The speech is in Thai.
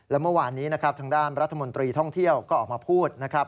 และเมื่อวานนี้นะครับทางด้านรัฐมนตรีท่องเที่ยวก็ออกมาพูดนะครับ